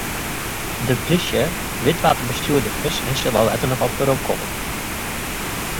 De plysje wit wa't de bestjoerder is en sil dêr letter noch op weromkomme.